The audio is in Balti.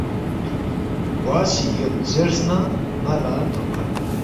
بوا سی یود زیرس نہ ن٘ا لہ تھوب کھن